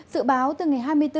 sự báo từ ngày hai mươi bốn